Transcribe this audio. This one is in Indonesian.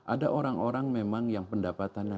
ada orang orang memang yang pendapatannya